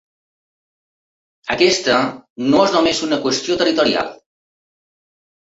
Aquesta no és només una qüestió territorial.